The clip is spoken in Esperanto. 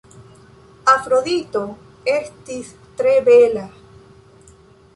Afrodito estis tre bela.